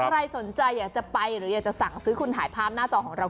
ใครสนใจอยากจะไปหรืออยากจะสั่งซื้อคุณถ่ายภาพหน้าจอของเรา